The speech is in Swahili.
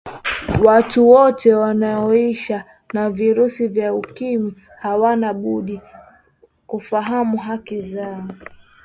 watu wote wanaoisha na virusi vya ukimwi hawana budi kufahamu haki zao